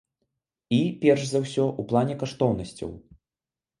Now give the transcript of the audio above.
І, перш за ўсё, у плане каштоўнасцяў.